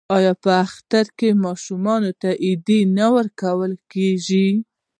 آیا په اختر کې ماشومانو ته ایډي نه ورکول کیږي؟